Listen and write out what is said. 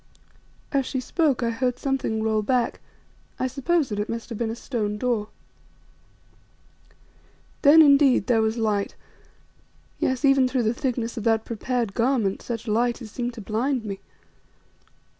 As she spoke I heard something roll back; I suppose that it must have been a stone door. Then, indeed, there was light, yes, even through the thicknesses of that prepared garment, such light as seemed to blind me.